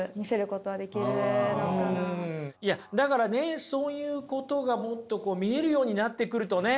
いやだからねそういうことがもっと見えるようになってくるとね